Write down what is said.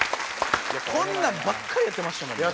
こんなんばっかりやってましたもんね。